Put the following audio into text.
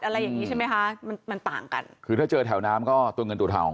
อย่างงี้ใช่ไหมคะมันมันต่างกันคือถ้าเจอแถวน้ำก็ตัวเงินตัวทอง